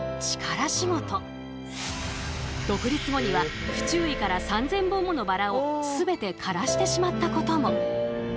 独立後には不注意から３，０００本ものバラを全て枯らしてしまったことも。